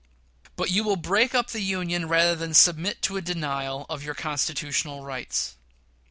But you will break up the Union rather than submit to a denial of your constitutional rights.